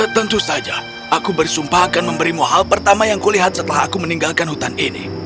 tentu saja aku bersumpah akan memberimu hal pertama yang kulihat setelah aku meninggalkan hutan ini